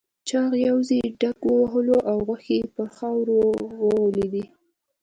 چاغ پوځي دېگ ووهلو او غوښې پر خاورو ولوېدې.